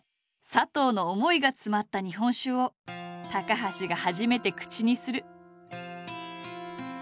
佐藤の思いが詰まった日本酒を高橋が初めて口にする。